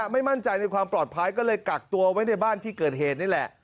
ไม่มั่นใจในความปลอดภัยก็เลยกักตัวไว้ในบ้านที่เกิดเหตุนี่แหละ